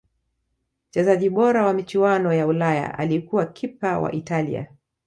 mchezaji bora wa michuano ya ulaya alikuwa kipa wa italia